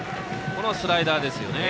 このスライダーですよね。